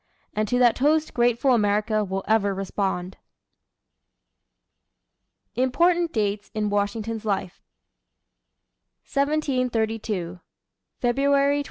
And to that toast grateful America will ever respond. IMPORTANT DATES IN WASHINGTON'S LIFE 1732. February 22.